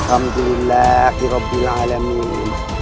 alhamdulillah ya rabb ni l'alamein